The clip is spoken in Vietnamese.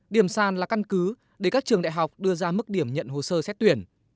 điểm sàn là căn cứ để các trường đại học đưa ra mức điểm nhận hồ sơ xét tuyển